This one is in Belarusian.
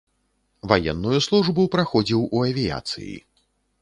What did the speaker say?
Ваенную службу праходзіў у авіяцыі.